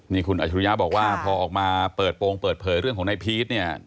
นี่คุณอัชรุยะบอกว่าพอออกมาเปิดโปรงเปิดเผยเรื่องของนายพีชเนี่ย